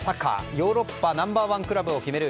ヨーロッパナンバー１クラブを決める